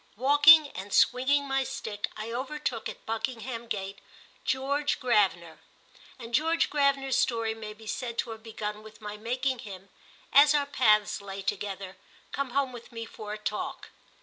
Walking and swinging my stick, I overtook, at Buckingham Gate, George Gravener, and George Gravener's story may be said to have begun with my making him, as our paths lay together, come home with me for a talk.